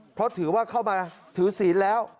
เพราะถือว่าเข้ามาถือศีลแล้ว